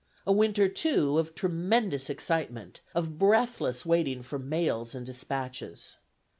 A winter, too, of tremendous excitement, of breathless waiting for mails and despatches.